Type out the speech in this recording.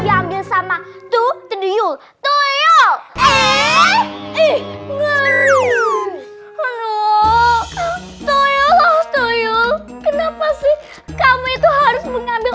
diambil sama tuh tuh yuk tuh yuk eh ih ngomong tolong ngomong kenapa sih kamu itu harus mengambil